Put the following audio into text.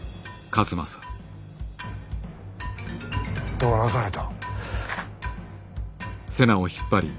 どうなされた？